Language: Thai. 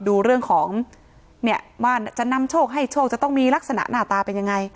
ดูเรื่องของเนี่ยว่าจะนำโชคให้โชคจะต้องมีลักษณะหน้าตาเป็นยังไง